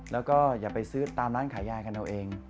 แล้วก็อย่าไปซื้อตามร้านขายยากันเอาเอง